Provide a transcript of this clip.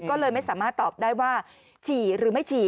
ก็เลยไม่สามารถตอบได้ว่าฉี่หรือไม่ฉี่